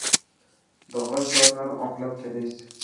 د غږ ډول نرم او کلک کېدی سي.